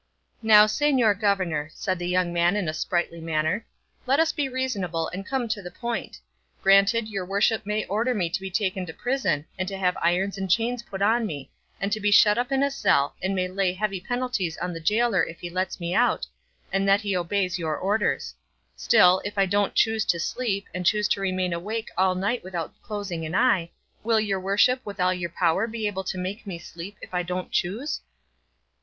"Now, señor governor," said the young man in a sprightly manner, "let us be reasonable and come to the point. Granted your worship may order me to be taken to prison, and to have irons and chains put on me, and to be shut up in a cell, and may lay heavy penalties on the gaoler if he lets me out, and that he obeys your orders; still, if I don't choose to sleep, and choose to remain awake all night without closing an eye, will your worship with all your power be able to make me sleep if I don't choose?"